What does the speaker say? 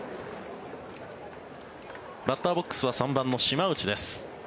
バッターボックスは３番の島内です。